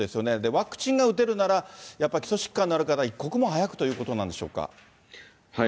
ワクチンが打てるなら、やっぱり基礎疾患のある方、一刻も早くということなんでしょうか。